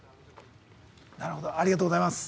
なるほど、ありがとうございます。